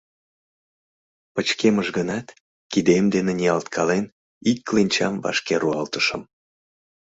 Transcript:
Пычкемыш гынат, кидем дене ниялткален, ик кленчам вашке руалтышым.